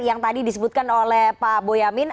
yang tadi disebutkan oleh pak boyamin